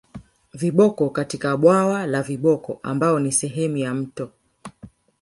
Viboko katika bwawa la viboko ambayo ni sehemu ya mto